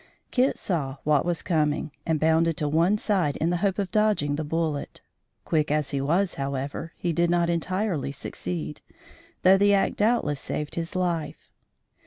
Kit saw what was coming and bounded to one side in the hope of dodging the bullet. Quick as he was, however, he did not entirely succeed, though the act doubtless saved his life.